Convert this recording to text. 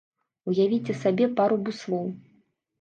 Уявіце сабе пару буслоў.